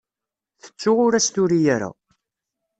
Tettu ur as-turi ara.